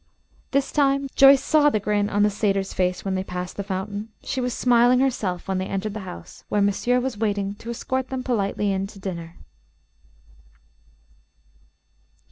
This time Joyce saw the grin on the satyr's face when they passed the fountain. She was smiling herself when they entered the house, where monsieur was waiting to escort them politely in to dinner.